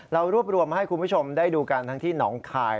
เรารวบรวมมาให้คุณผู้ชมได้ดูกันทั้งที่หนองคาย